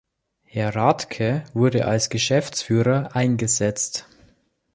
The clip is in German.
Herr Rathke wurde als Geschäftsführer eingesetzt.